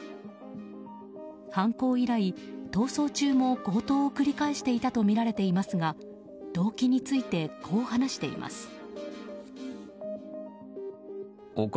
犯行以来、逃走中も強盗を繰り返していたとみられていますが動機についてこう話しています。